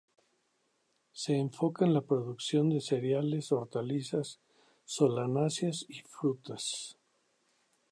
Se enfoca en la producción de cereales, hortalizas, solanáceas y frutas.